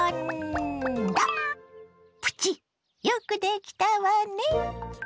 プチよくできたわね。